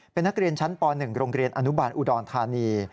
เป็นนักเรียนชั้นป๑โรงเรียนอนุบาลอุดรธานี